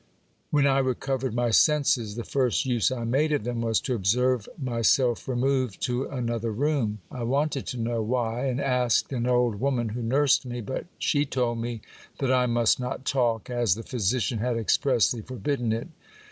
When I recovered my senses, the first use I made of them was to observe my self removed to another room. I wanted to know why ; and asked an old woman who nursed me : but she told me that I must not talk, as the physician had expressly forbidden it.